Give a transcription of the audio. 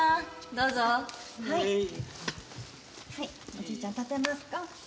おじいちゃん立てますか。